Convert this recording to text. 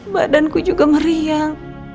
badanku juga meriang